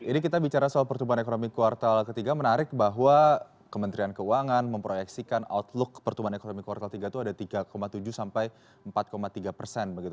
baik ini kita bicara soal pertumbuhan ekonomi kuartal tiga menarik bahwa kementerian keuangan memproyeksikan outlook pertumbuhan ekonomi kuartal tiga itu ada tiga tujuh sampai empat tiga